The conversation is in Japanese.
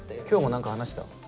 今日も何か話した？